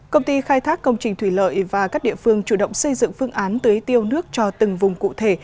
công ty khai thác công trình thủy lợi và các địa phương chủ động xây dựng phương án tưới tiêu nước cho từng vùng cụ thể